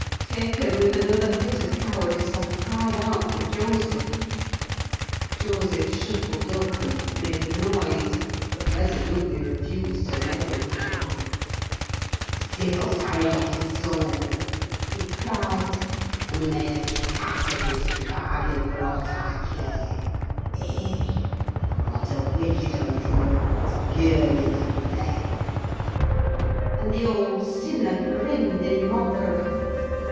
Taken with another fit of cowardice, I cried out for Joseph. Joseph shuffled up and made a noise, but resolutely refused to meddle with him. "Th' divil's harried off his soul," he cried, "and he may hev' his carcass into t' bargin, for aught I care! Ech! what a wicked 'un he looks, girning at death!" and the old sinner grinned in mockery.